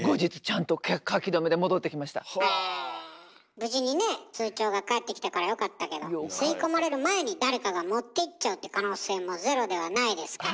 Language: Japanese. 無事にね通帳が返ってきたからよかったけど吸い込まれる前に誰かが持っていっちゃうって可能性もゼロではないですから。